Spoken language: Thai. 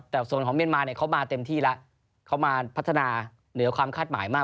แต่ส่วนของเมียนมาเนี่ยเขามาเต็มที่แล้วเขามาพัฒนาเหนือความคาดหมายมาก